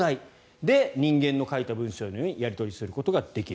で、人間の書いた文章のようにやり取りすることができる。